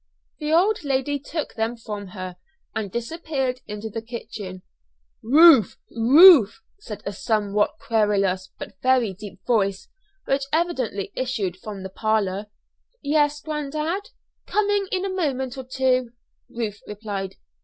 The old lady took them from her and disappeared into the kitchen. "Ruth Ruth!" said a somewhat querulous but very deep voice which evidently issued from the parlor. "Yes, granddad; coming in a moment or two," Ruth replied.